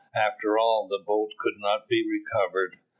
After all the boat could not be recovered.